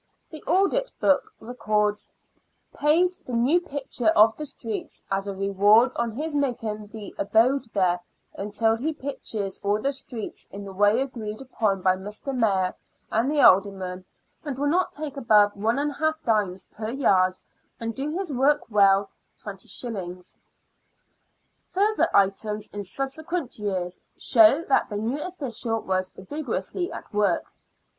The audit book records :" Paid the new pitcher of the streets as a reward on his making his abode here until he pitches all the streets in the way agreed upon by Mr. Mayor and the Aldermen, and will take not above i|^d. per yard, and do his work well, 20s." Further items in subsequent years show that the new official was vigorously at work.